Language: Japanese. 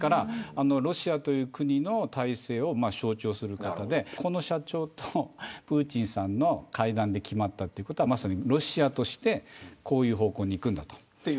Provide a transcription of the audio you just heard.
ロシアという国の体制を象徴する方でこの社長とプーチンさんの会談で決まったということはまさにロシアとしてこういう方向に行くんだと。